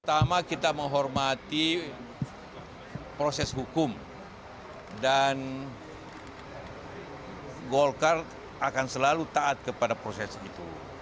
pertama kita menghormati proses hukum dan golkar akan selalu taat kepada proses itu